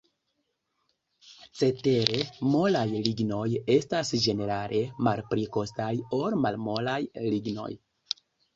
Cetere, molaj lignoj estas ĝenerale malpli kostaj ol malmolaj lignoj.